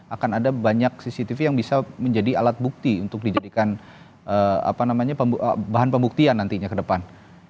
akan ada banyak cctv yang bisa menjadi alat bukti untuk dijadikan bahan pembuktian nantinya ke depan